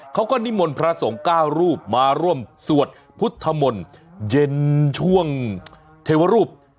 นิมนต์พระสงฆ์๙รูปมาร่วมสวดพุทธมนต์เย็นช่วงเทวรูป